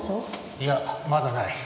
いやまだない。